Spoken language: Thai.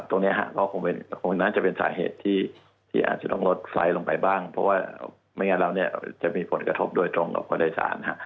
ตรงนี้ก็คงน่าจะเป็นสาเหตุที่อาจจะต้องลดไซส์ลงไปบ้างเพราะว่าไม่งั้นแล้วเนี่ยจะมีผลกระทบโดยตรงกับผู้โดยสาร